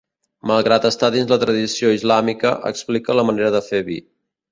Malgrat estar dins la tradició islàmica, explica la manera de fer vi.